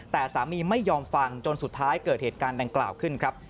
แต่สามีไม่ยอมฟังจนสุดท้ายเกิดเหตุการณ์ดังกล่าวขึ้นครับ